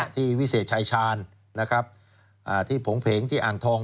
ที่วิเศษชายชาญที่ผงเพงที่อ่างทอง